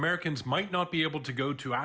seorang mayor kota besar mengatakan